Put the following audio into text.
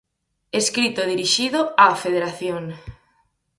Escrito dirixido á Federación.